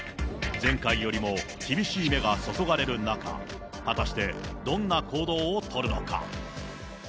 前回よりも厳しい目が注がれる中、果たしてどんな行動を取るのか。